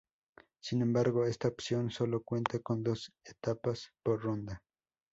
Sin embargo, esta opción solo cuenta con dos etapas por ronda.